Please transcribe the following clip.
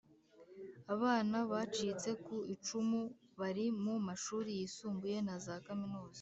Abana bacitse ku icumu bari mu mashuri yisumbuye na za Kaminuza